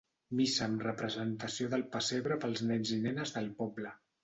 Missa amb representació del pessebre pels nens i nenes del poble.